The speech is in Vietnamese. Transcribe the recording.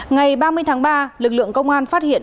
ngày ba mươi tháng ba lực lượng công an phát hiện